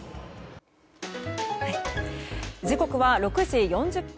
時刻は６時４０分。